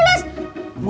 cepetan sana tuh